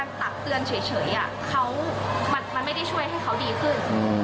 นั่นหมายความว่าวิธีการตักเตือนเฉยมันไม่ได้ช่วยให้เขาดีขึ้น